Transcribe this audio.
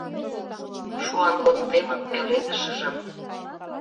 Шуанвондемын пеледышыжым